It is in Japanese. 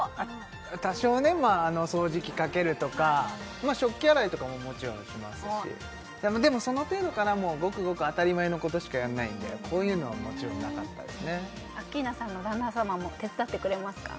多少ね掃除機かけるとか食器洗いとかももちろんしますしでもその程度かなもうごくごく当たり前のことしかやんないんでこういうのはもちろんなかったですねアッキーナさんの旦那様も手伝ってくれますか？